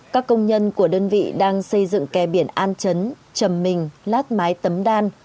các công nhân của đơn vị đang xây dựng kè biển an chấn chầm mình lát mái tấm đan